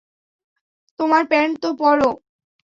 তোমার প্যান্ট তো পরো।